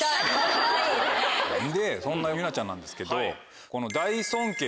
そんなＹＵＮＡちゃんなんですけど。